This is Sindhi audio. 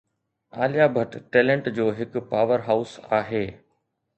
عاليا ڀٽ ٽيلنٽ جو هڪ پاور هائوس آهي